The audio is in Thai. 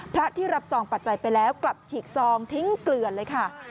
พระที่รับซองปัจจัยไปแล้วกลับฉีกซองทิ้งเกลือนเลยค่ะ